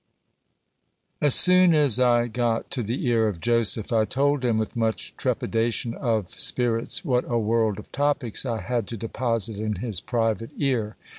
As soon as I got to the ear of Joseph, I told him with much trepidation of spi rit what a world of topics I had to deposit in his private ear.